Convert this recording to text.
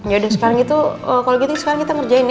yaudah sekarang gitu kalo gitu sekarang kita ngerjain ya